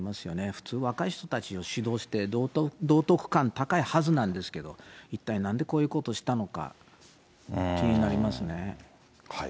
普通、若い人たちを指導して、道徳観高いはずなんですけど、一体なんでこういうことしたのか、気になりますね。